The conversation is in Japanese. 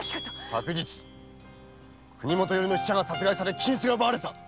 昨日国元よりの使者が殺害され金子が奪われた。